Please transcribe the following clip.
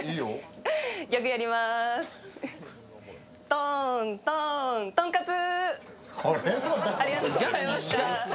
とんとんとんかつ。